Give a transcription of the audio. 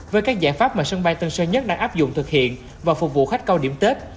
với các giải pháp mà sân bay tân sơn nhất đang áp dụng thực hiện và phục vụ khách cao điểm tết